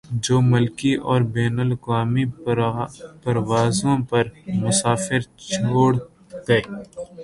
جو ملکی اور بین الاقوامی پروازوں پر مسافر چھوڑ گئے